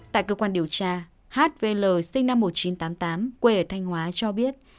tại cơ quan điều tra hvl sinh năm một nghìn chín trăm tám mươi tám quê ở thanh hóa cho biết